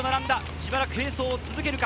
しばらく並走を続けるか？